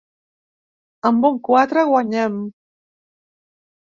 Amb un quatre guanyem.